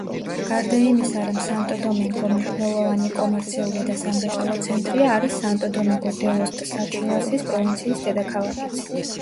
გარდა იმისა, რომ სანტო-დომინგო მნიშვნელოვანი კომერციული და სამრეწველო ცენტრია, არის სანტო-დომინგო-დე-ლოს-ტსაჩილასის პროვინციის დედაქალაქიც.